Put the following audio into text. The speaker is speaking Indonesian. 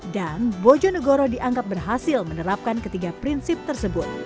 dan bojonegoro dianggap berhasil menerapkan ketiga prinsip tersebut